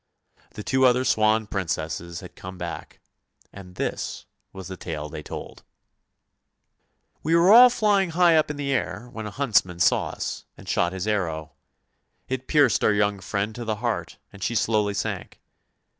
The two other swan Princesses had come back, and this is the tale they told: —' We were all flying high up in the air when a huntsman saw us and shot his arrow; it pierced our young friend to the heart and she slowly sank.